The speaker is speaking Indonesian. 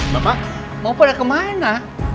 mama mau pada kemana